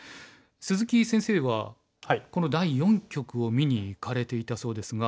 鈴木先生はこの第四局を見に行かれていたそうですが。